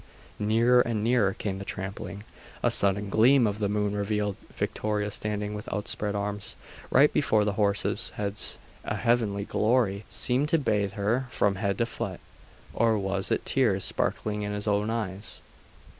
Nearer and nearer came the trampling.... A sudden gleam of the moon revealed Victoria standing with outspread arms, right before the horses' heads. A heavenly glory seemed to bathe her from head to foot.... or was it tears sparkling in his own eyes?....